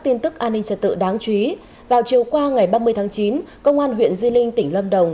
tin tức an ninh trật tự đáng chú ý vào chiều qua ngày ba mươi tháng chín công an huyện di linh tỉnh lâm đồng